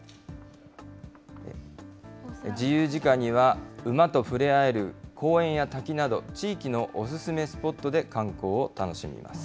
自由時間には、馬と触れ合える公園や滝など、地域のお薦めスポットで観光を楽しみます。